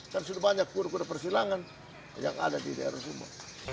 kan sudah banyak kuda kuda persilangan yang ada di daerah sumba